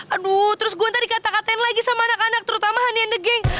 aduh terus gue ntar dikata katain lagi sama anak anak terutama hanian the geng